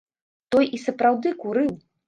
Той і сапраўды курыў.